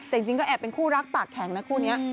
แต่จริงก็แอบเป็นคู่รักปากแข็งนะคู่นี้